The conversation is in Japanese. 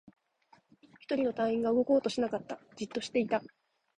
一人の隊員が動こうとしなかった。じっとしていた。